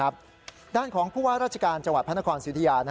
บอลของผู้ว่าราชการจังหวัดพลันกรณ์สิริยา